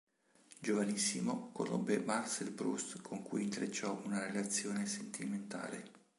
Giovanissimo, conobbe Marcel Proust con cui intrecciò una relazione sentimentale.